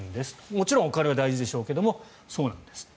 もちろんお金は大事でしょうけどそうなんですって。